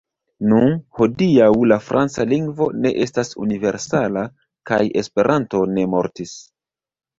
Nu, hodiaŭ la franca lingvo ne estas universala, kaj Esperanto ne mortis.